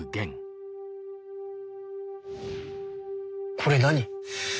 これ何？